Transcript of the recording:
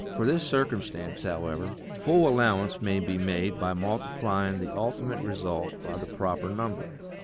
For this circumstance, however, full allowance may be made by multiplying the ultimate result by the proper number.